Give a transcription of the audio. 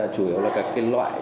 chủ yếu là các cái loại